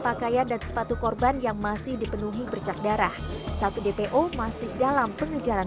pakaian dan sepatu korban yang masih dipenuhi bercak darah satu dpo masih dalam pengejaran